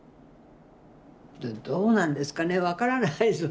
どうなんですかね分からないです。